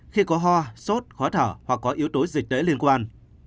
khi có ho sốt khó thở hoặc có yếu tố dịch tễ liên quan